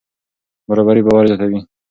برابري باور زیاتوي.